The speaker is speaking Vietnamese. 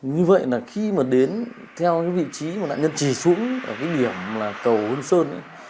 như vậy là khi mà đến theo vị trí mà nạn nhân chỉ xuống ở điểm là cầu huân sơn ấy